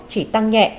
chỉ tăng nhẹ